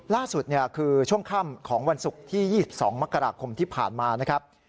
ล่าสุดคือช่วงค่ำของวันศุกร์ที่๒๒มกราคมที่ผ่านมานะครับ